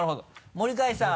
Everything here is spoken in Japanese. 森開さん。